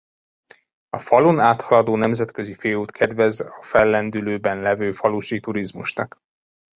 A falun áthaladó nemzetközi főút kedvez a fellendülőben levő falusi turizmusnak.